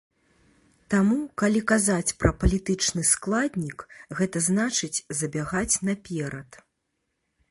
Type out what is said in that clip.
Таму, калі казаць пра палітычны складнік, гэта значыць, забягаць наперад.